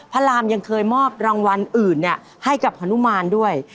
พระรามยังเคยมอบรางวัลอื่นให้กับฮนุมานด้วย